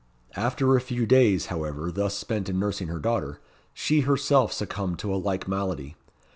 After a few days, however, thus spent in nursing her daughter, she herself succumbed to a like malady.